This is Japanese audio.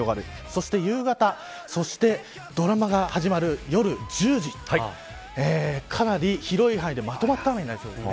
そして、夕方そして、ドラマが始まる夜１０時かなり広い範囲でまとまった雨になりそうです。